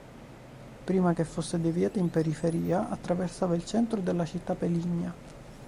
Prima che fosse deviata in periferia attraversava il centro della città peligna.